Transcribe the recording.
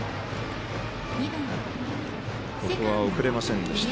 ここは送れませんでした。